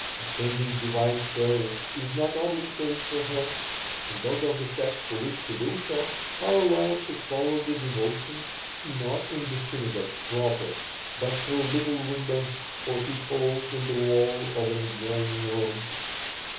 Attending divine service is not obligatory for her, and those of the sex who wish to do so are allowed to follow the devotions not in the synagogue proper, but through little windows or peepholes in the wall of an adjoining room.